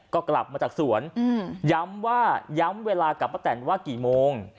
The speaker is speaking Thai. ก็กลับมาจากสวนย้ำว่าย้ำเวลากับป้าแตนว่ากี่โมง